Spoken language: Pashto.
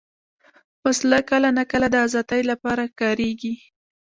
وسله کله ناکله د ازادۍ لپاره کارېږي